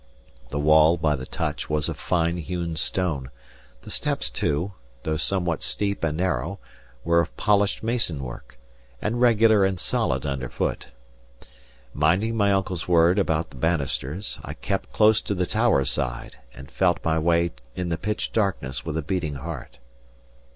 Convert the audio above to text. The wall, by the touch, was of fine hewn stone; the steps too, though somewhat steep and narrow, were of polished masonwork, and regular and solid underfoot. Minding my uncle's word about the bannisters, I kept close to the tower side, and felt my way in the pitch darkness with a beating heart.